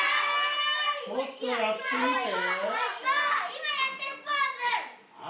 はい！